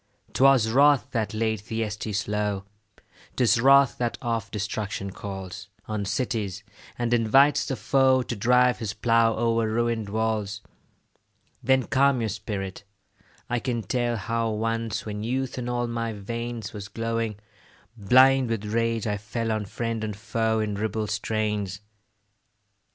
'Twas wrath that laid Thyestes low; 'Tis wrath that oft destruction calls On cities, and invites the foe To drive his plough o'er ruin'd walls. Then calm your spirit; I can tell How once, when youth in all my veins Was glowing, blind with rage, I fell On friend and foe in ribald strains.